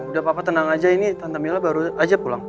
udah papa tenang aja ini tante mila baru aja pulang